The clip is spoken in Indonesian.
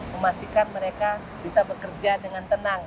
memastikan mereka bisa bekerja dengan tenang